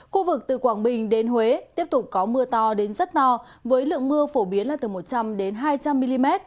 khu vực từ quảng bình đến huế tiếp tục có mưa to đến rất to với lượng mưa phổ biến là từ một trăm linh hai trăm linh mm